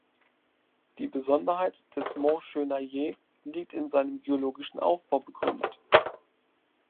Die Besonderheit des Mont Chenaillet liegt in seinem geologischen Aufbau begründet.